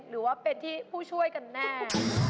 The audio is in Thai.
หรือว่าเป็นที่ผู้ช่วยกันแน่